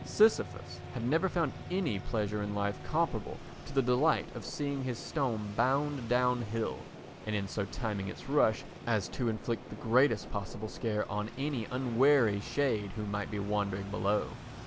Sisyphus had never found any pleasure in life comparable to the delight of seeing his stone bound down hill, and in so timing its rush as to inflict the greatest possible scare on any unwary shade who might be wandering below.